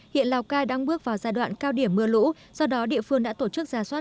hiện lào cai đang bước vào giai đoạn cao điểm mưa lũ do đó địa phương đã tổ chức ra soát